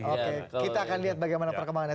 oke kita akan lihat bagaimana perkembangannya